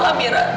di kukus patricia